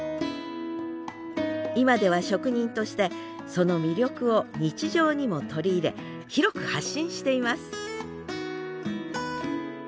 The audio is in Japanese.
今では職人としてその魅力を日常にも取り入れ広く発信しています